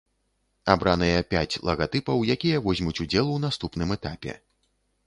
Абраныя пяць лагатыпаў, якія возьмуць удзел у наступным этапе.